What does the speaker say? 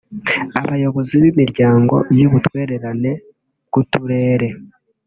abayobozi b’imiryango y’ubutwererane bw’uturere